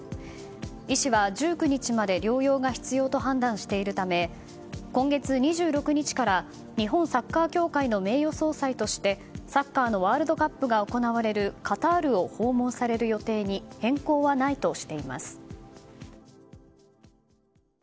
医師は１９日まで療養が必要と判断しているため今月２６日から日本サッカー協会の名誉総裁としてサッカーのワールドカップが行われるカタールを訪問される予定に変更はないとしています。